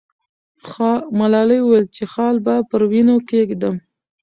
ملالۍ وویل چې خال به پر وینو کښېږدم.